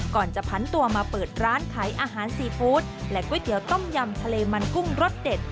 ก่อนจะพันตัวมาเปิดร้านขายอาหารซีฟู้ดและก๋วยเตี๋ยวต้มยำทะเลมันกุ้งรสเด็ด